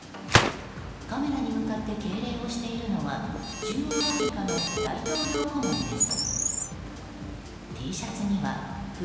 カメラに向かって敬礼をしているのは中央アフリカの大統領顧問です。